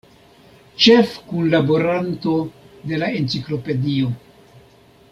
Ĉefkunlaboranto de la Enciklopedio.